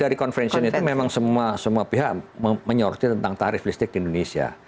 dari convention itu memang semua pihak menyortir tentang tarif listrik di indonesia